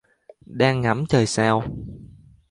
Đang ngắm trời sao